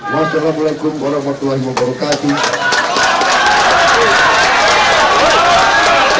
wassalamu'alaikum warahmatullahi wabarakatuh